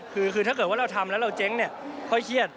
คือถ้าเกิดว่าเราทำแล้วเราเจ๊งเนี่ยค่อยเครียด